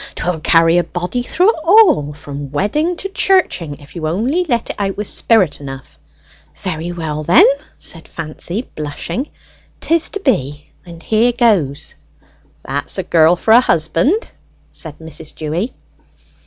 'Twill carry a body through it all from wedding to churching, if you only let it out with spirit enough." "Very well, then," said Fancy, blushing. "'Tis to be, and here goes!" "That's a girl for a husband!" said Mrs. Dewy.